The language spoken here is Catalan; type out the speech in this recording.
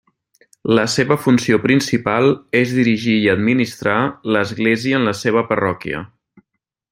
La seva funció principal és dirigir i administrar l'església en la seva parròquia.